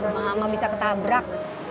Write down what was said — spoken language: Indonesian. mama bisa ketabrak